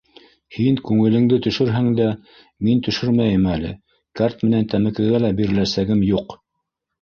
Һин күңелеңде төшөрһәң дә, мин төшөрмәйем әле, кәрт менән тәмәкегә лә биреләсәгем юҡ!